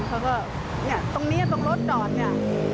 เขาก็เนี่ยตรงนี้ตรงรถจอดเนี่ย